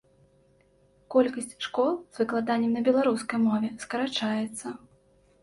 Колькасць школ з выкладаннем на беларускай мове скарачаецца.